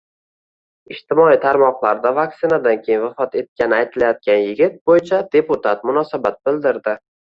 Ijtimoiy tarmoqlarda vaksinadan keyin vafot etgani aytilayotgan yigit bo‘yicha deputat munosabat bildirdi